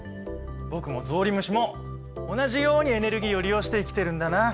僕もゾウリムシも同じようにエネルギーを利用して生きてるんだなあ。